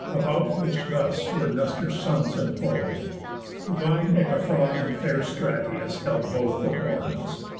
About which thus were Nestor's sons employ'd: Divine Echephron, and fair Stratius, Held both the horns.